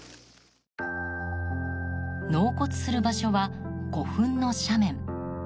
納骨する場所は古墳の斜面。